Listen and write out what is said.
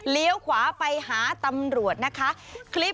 เลี้ยวขวาไปหาตำรวจนะคะ